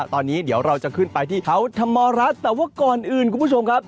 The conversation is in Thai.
ตอนนี้เดี๋ยวเราจะขึ้นไปที่เขาธรรมรัฐแต่ว่าก่อนอื่นคุณผู้ชมครับ